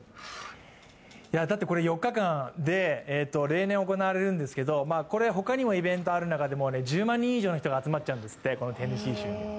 だってこれ４日間で例年行われるんですけれどもこれ、他にもイベントがある中で１０万人以上が集まっちゃうんですって、テネシー州。